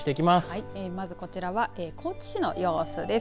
はい、まずこちらは高知市の様子です。